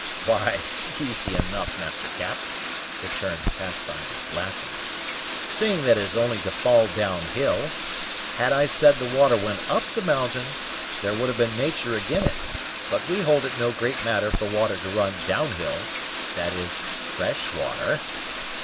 "Why, easy enough, Master Cap," returned Pathfinder, laughing, "seeing that it has only to fall down hill. Had I said the water went up the mountain, there would have been natur' ag'in it; but we hold it no great matter for water to run down hill that is, fresh water."